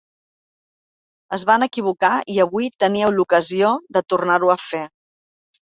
Es van equivocar i avui teníeu l’ocasió de tornar-ho a fer.